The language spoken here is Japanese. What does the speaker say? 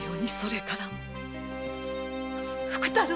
福太郎！！